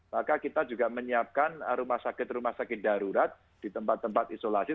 maka kita juga menyiapkan rumah sakit rumah sakit darurat di tempat tempat isolasi